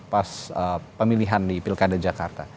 pas pemilihan di pilkada jakarta